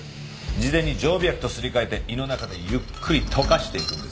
事前に常備薬とすり替えて胃の中でゆっくり溶かしていくんです。